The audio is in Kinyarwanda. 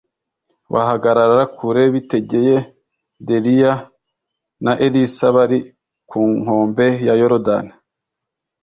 Bahagarara kure bitegeye d eliya na elisa bari ku nkombe ya yorodani